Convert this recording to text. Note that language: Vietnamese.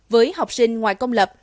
với học sinh ngoại công lập